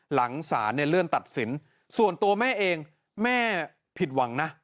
หลังศาลเนี่ยเลื่อนตัดสินส่วนตัวแม่เองแม่ผิดหวังนะ